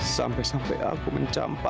sampai sampai aku mencampur